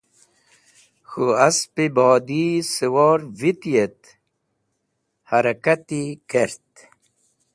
K̃hũ asp-e bodi siwor viti et harakati kert.